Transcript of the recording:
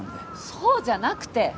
そうじゃなくて。